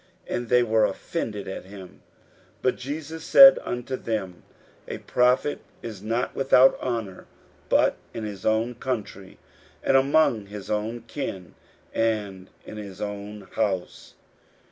And they were offended at him. 41:006:004 But Jesus, said unto them, A prophet is not without honour, but in his own country, and among his own kin, and in his own house.